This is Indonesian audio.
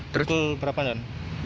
terus berapa kan